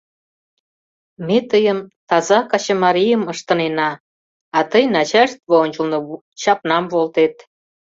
Ме тыйым таза качымарийым ыштынена, а тый начальство ончылно чапнам волтет.